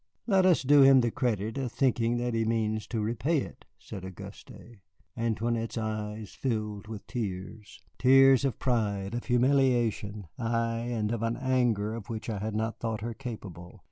"Let us do him the credit of thinking that he means to repay it," said Auguste. Antoinette's eyes filled with tears, tears of pride, of humiliation, ay, and of an anger of which I had not thought her capable.